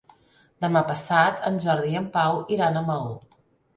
Demà passat en Jordi i en Pau iran a Maó.